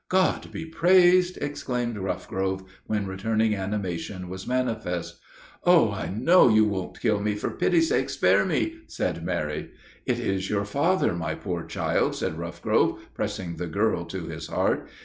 "God be praised!" exclaimed Roughgrove, when returning animation was manifest. "Oh, I know you won't kill me! for pity's sake, spare me!" said Mary. "It is your father, my poor child!" said Roughgrove, pressing the girl to his heart.